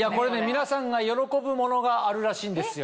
皆さんが喜ぶものがあるらしいんですよ。